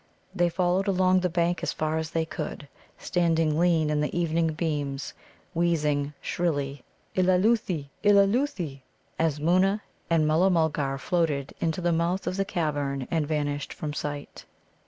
They followed along the bank as far as they could, standing lean in the evening beams, wheezing shrilly, "Illaloothi, Illaloothi!" as Moona and Mulla mulgar floated into the mouth of the cavern and vanished from sight.